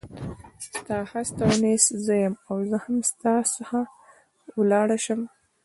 ستا هست او نیست زه یم او زه هم ستا څخه ولاړه شم.